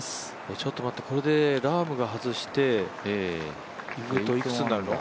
ちょっと待って、これでラームが外すといくつになるの？